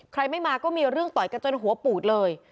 ใครไม่มาก็มีเรื่องต่อยกันจนหัวปูดเลย